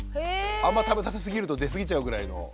あんま食べさせすぎると出過ぎちゃうぐらいの。